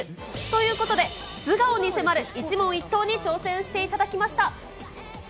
ということで、素顔に迫る一問一答に挑戦していただきました。